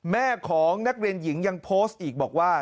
แม่ของนักเรียนหญิงยังโพสต์อีกบอกว่า